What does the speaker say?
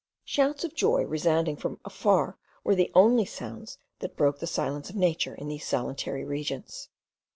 Shouts of joy resounding from afar were the only sounds that broke the silence of nature in these solitary regions.